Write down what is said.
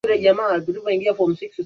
pamoja na sehemu ndogo ya Msumbiji